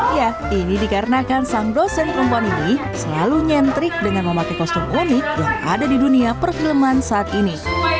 ya ini dikarenakan sang dosen perempuan ini selalu nyentrik dengan memakai kostum unik yang ada di dunia perfilman saat ini